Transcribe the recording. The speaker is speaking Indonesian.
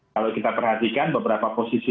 kalau kita perhatikan beberapa posisi